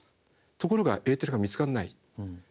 ところがエーテルが見つかんない。